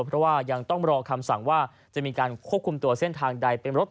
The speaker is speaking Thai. เพราะว่ายังต้องรอคำสั่งว่าจะมีการควบคุมตัวเส้นทางใดเป็นรถ